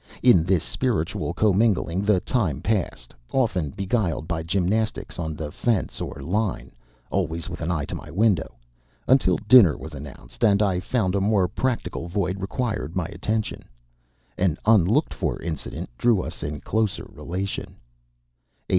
In this spiritual commingling the time passed, often beguiled by gymnastics on the fence or line (always with an eye to my window) until dinner was announced and I found a more practical void required my attention. An unlooked for incident drew us in closer relation.